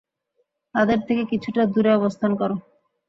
তাদের থেকে কিছুটা দুরে অবস্থান করো।